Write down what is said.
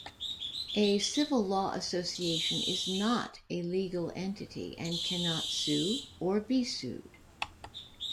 A Civil-Law Association is not a legal entity and cannot sue or be sued.